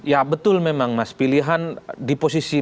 ya betul memang mas pilihan di posisi